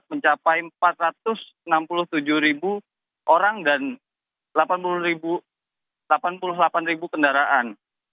mencapai empat ratus enam puluh tujuh ribu orang dan delapan puluh delapan kendaraan